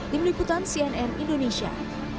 tim liputan cnn indonesia